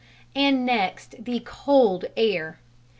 And next the cold air!